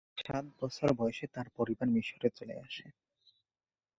সাত বছর বয়সে তার পরিবার মিশরে চলে আসে।